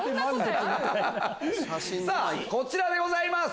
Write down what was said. こちらでございます！